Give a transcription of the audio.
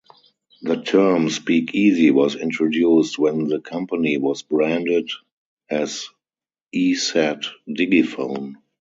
The term "speak easy" was introduced when the company was branded as Esat Digifone.